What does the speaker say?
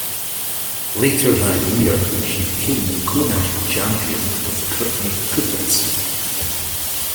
Later that year, she became co-national champion with Courtney Kupets.